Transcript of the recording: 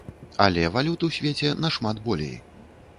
Але валют у свеце нашмат болей.